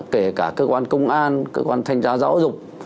kể cả cơ quan công an cơ quan thanh tra giáo dục